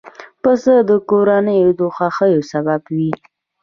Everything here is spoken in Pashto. پسه د کورنیو د خوښیو سبب وي.